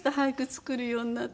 作るようになって。